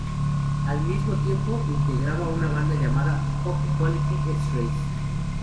Al mismo tiempo integraba una banda llamada "Fuck Quality X-Rays".